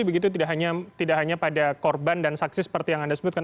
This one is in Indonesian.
begitu tidak hanya pada korban dan saksi seperti yang anda sebutkan